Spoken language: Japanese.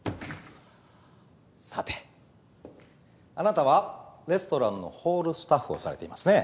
さてあなたはレストランのホールスタッフをされていますね？